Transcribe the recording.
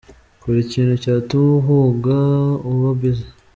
Kora ikintu cyatuma uhuga "uba busy".